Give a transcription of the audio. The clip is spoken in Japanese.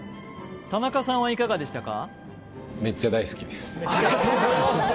田中さんはいかがでしたか？